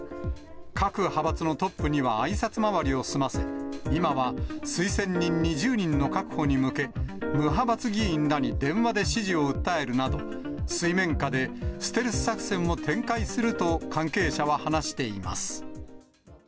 各派閥のトップにはあいさつ回りを済ませ、今は推薦人２０人の確保に向け、無派閥議員らに電話で支持を訴えるなど、水面下でステルス作戦を展開すると関係者は話しています。